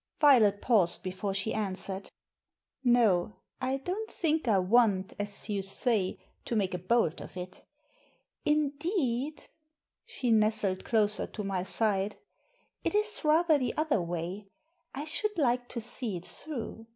Violet paused before she answered. " No ; I don't think I want, as you say, to make Digitized by VjOOQIC THE HOUSEBOAT 271 a bolt of it Indeed," she nestled closer to my side, " it is rather the other way. I should like to see it through.